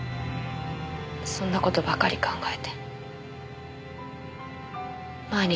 そんな事ばかり考えて毎日が地獄で。